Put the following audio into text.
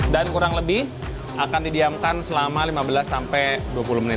dan kurang lebih akan didiamkan selama lima belas sampai dua puluh menit